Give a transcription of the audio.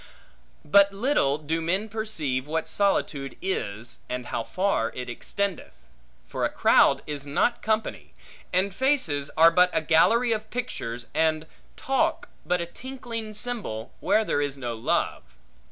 But little do men perceive what solitude is, and how far it extendeth. For a crowd is not company; and faces are but a gallery of pictures; and talk but a tinkling cymbal, where there is no love.